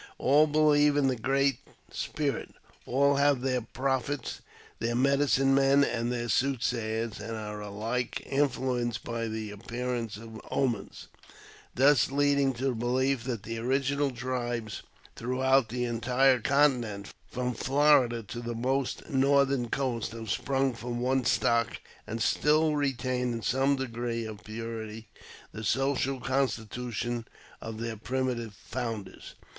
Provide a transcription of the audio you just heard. All believe in the same Great Spirit ; all have their prophets, their medicine men, and their soothsayers, and are alike influenced by the appearance of omens ; thus leading to the belief that the original tribes throughout the entire con tinent, from Florida to the most northern coast, have sprung from one stock, and still retain in some degree of purity the social constitution of their primitive founders.